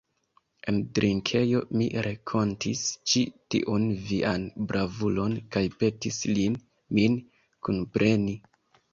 En drinkejo mi renkontis ĉi tiun vian bravulon kaj petis lin min kunpreni.